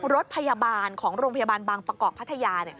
รถพยาบาลของโรงพยาบาลบางประกอบพัทยา